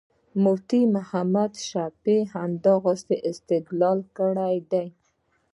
مفتي محمد شفیع همدغسې استدلال کړی دی.